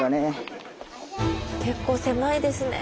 結構狭いですね。